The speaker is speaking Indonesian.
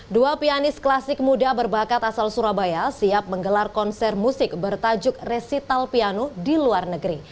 dua pianis klasik muda berbakat asal surabaya siap menggelar konser musik bertajuk resital piano di luar negeri